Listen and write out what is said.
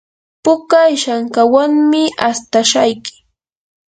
puka ishankawanmi astashayki.